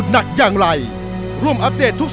ทำกลางอุณหภูมิที่ร้อนระอุก